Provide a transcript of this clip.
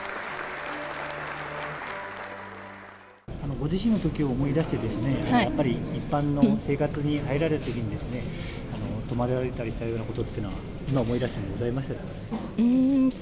ご自身のときを思い出して、やっぱり一般の生活に入られるときに困られたりしたことっていうのは今、思い出してもございましたでしょうか。